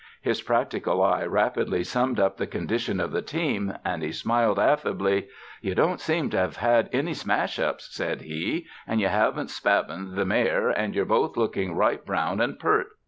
His practical eye rapidly summed up the condition of the team, and he smiled affably. "You don't seem to have had any smashups," said he, ''and you haven't spavined the mare, and you're both looking right brown and peart.